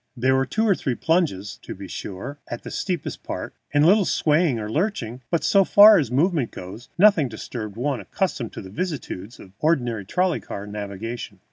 There were two or three plunges, to be sure, at the steepest part, and a little swaying or lurching, but, so far as movement goes, nothing to disturb one accustomed to the vicissitudes of, say, ordinary trolley car navigation.